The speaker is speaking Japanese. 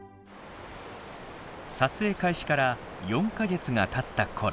撮影開始から４か月がたったころ。